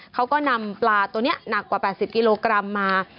เขาก็นำปลาตัวนี้หนักกว่า๘๐กิโลกรัมมา